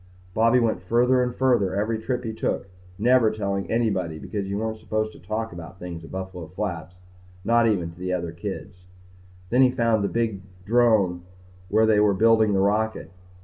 Bobby went further and further every trip he took, never telling anybody because you weren't supposed to talk about things at Buffalo Flats not even to the other kids. Then he found the big drome where they were building the rocket.